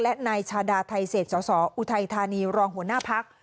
และนายชาดาไทเศษสสออุทัยธานีรองหัวหน้าพัก